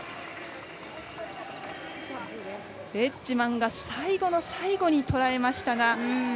ウェッジマンが最後の最後にとらえましたが。